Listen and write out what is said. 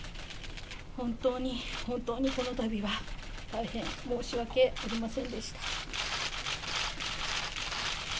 本当に本当に、このたびは大変申し訳ありませんでした。